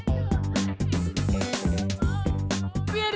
edo tolong aku gak bintang ya edo